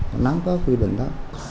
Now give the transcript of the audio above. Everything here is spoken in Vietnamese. họ nắm có quy định đó